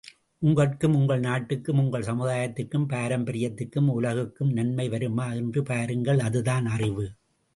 உங்கட்கும், உங்கள் நாட்டுக்கும், உங்கள் சமுதாயத்திற்கும், பாரம்பரியத்திற்கும், உலகுக்கும் நன்மை வருமா என்று பாருங்கள் அதுதான் அறிவு.